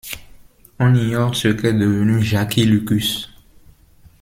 On ignore ce qu'est devenue Jackie Lukus.